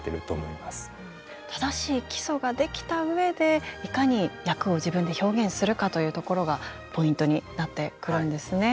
正しい基礎ができたうえでいかに役を自分で表現するかというところがポイントになってくるんですね。